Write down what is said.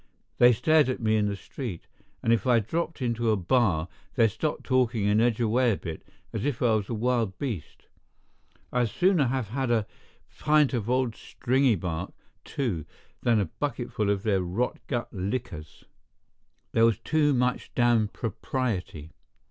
They stared at me in the street; and if I dropped into a bar, they'd stop talking and edge away a bit, as if I was a wild beast. I'd sooner have had a pint of old Stringybark, too, than a bucketful of their rot gut liquors. There was too much damned propriety.